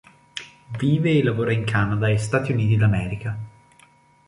Vive e lavora in Canada e Stati Uniti d'America.